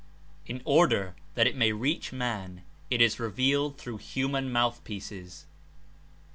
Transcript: In order that It may reach man It Is revealed through human mouth pieces.